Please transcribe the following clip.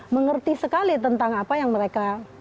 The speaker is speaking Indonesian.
mengerti sekali tentang apa yang mereka